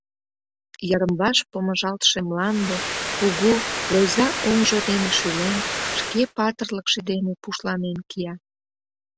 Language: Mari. Йырым-ваш помыжалтше мланде, кугу, лӧза оҥжо дене шӱлен, шке патырлыкше дене пушланен кия.